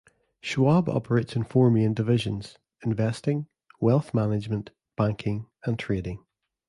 Schwab operates in four main divisions: investing, wealth management, banking, and trading.